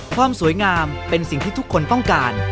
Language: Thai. ความสวยงามเป็นสิ่งที่ทุกคนต้องการ